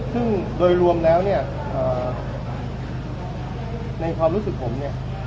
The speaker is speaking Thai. ซึ่งโดยรวมแล้วเนี่ยในความรู้สึกผมเนี่ย